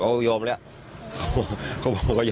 เขายอมแล้วเขาบอกก็ยอมแล้ว